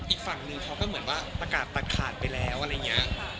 อีกฝั่งหนึ่งเขาก็เหมือนว่าประกาศตัดขาดไปแล้วอะไรอย่างนี้